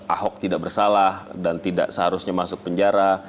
ahok tidak bersalah dan tidak seharusnya masuk penjara